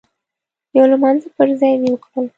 د يو لمانځه پر ځای دې وکړل.